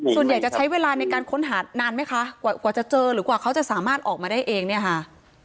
ส่วนใหญ่จะใช้เวลาในการค้นหานานไหมคะกว่าจะเจอหรือกว่าเขาจะสามารถออกมาได้เองเนี่ยค่ะ